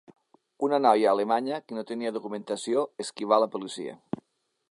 Una noia alemanya que no tenia documentació esquivà la policia